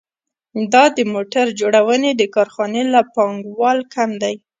دا د موټر جوړونې د کارخانې له پانګوال کم دی